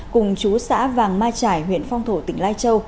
cùng chú xã vàng mai trải huyện phong thổ tỉnh lai châu